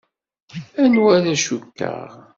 Anwa ara cukkeɣ?